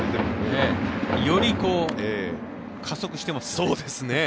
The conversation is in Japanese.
より加速してます。